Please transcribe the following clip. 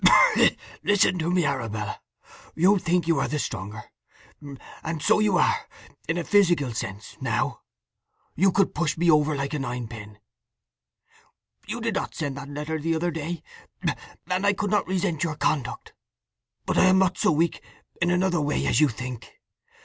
"Listen to me, Arabella. You think you are the stronger; and so you are, in a physical sense, now. You could push me over like a nine pin. You did not send that letter the other day, and I could not resent your conduct. But I am not so weak in another way as you think.